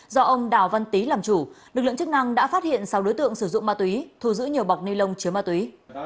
do ông đào văn tý làm chủ lực lượng chức năng đã phát hiện sáu đối tượng sử dụng ma túy thu giữ nhiều bọc ni lông chứa ma túy